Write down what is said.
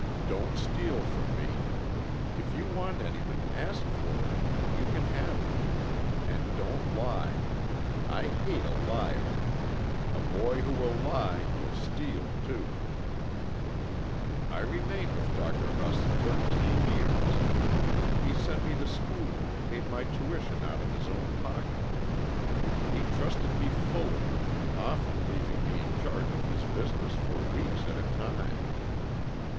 'Don't steal from me; if you want anything ask for it, and you can have it. And don't lie; I hate a liar. A boy who will lie will steal, too.' "I remained with Dr. Huss thirteen years. He sent me to school and paid my tuition out of his own pocket; he trusted me fully, often leaving me in charge of his business for weeks at a time.